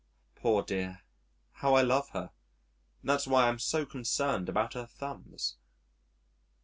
Poor dear! how I love her! That's why I'm so concerned about her thumbs.